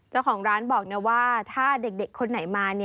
เจ้าของร้านบอกนะว่าถ้าเด็กคนไหนมา